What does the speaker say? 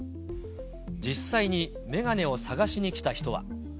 実際に眼鏡を探しに来た人は。